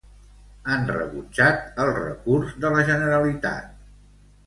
Han rebutjat el recurs de la Generalitat.